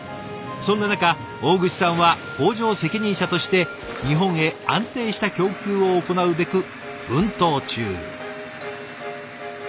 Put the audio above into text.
そんな中大串さんは工場責任者として日本へ安定した供給を行うべく奮闘中。